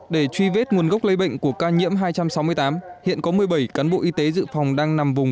để truy vết nguồn gốc lây bệnh của ca nhiễm hai trăm sáu mươi tám hiện có một mươi bảy cán bộ y tế dự phòng đang nằm vùng